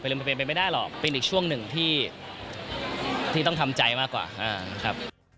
เป็นอีกช่วงหนึ่งที่ต้องทำใจมากกว่า